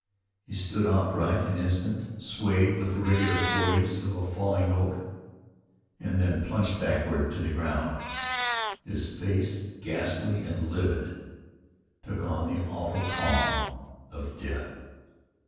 He stood upright an instant, swayed with the regular poise of a falling oak, and then plunged backward to the ground. His face, ghastly and livid, took on the awful calm of death.